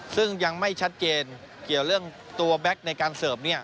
ซึ่งยังไม่ชัดเจนเกี่ยวเรื่องตัวแบ็คในการเสิร์ฟ